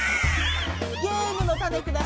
ゲームのタネください！